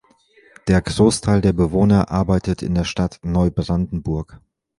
Der Großteil der Bewohner arbeitet in der Stadt Neubrandenburg.